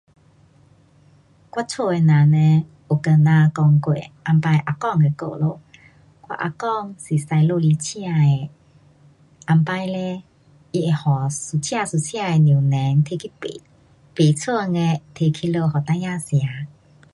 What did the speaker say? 我家的人呢有跟咱讲过以前啊公的故事，我啊公是驾罗厘车的，以前嘞他会载一车一车的榴莲拿去卖，卖剩的拿回家给孩儿吃。